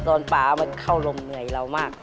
ส่วนปลามันเข้าร่มเหนื่อยเรามาก